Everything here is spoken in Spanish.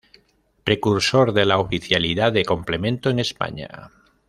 Precursor de la Oficialidad de Complemento en España.